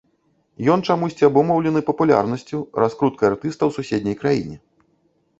Ён чамусьці абумоўлены папулярнасцю, раскруткай артыста ў суседняй краіне.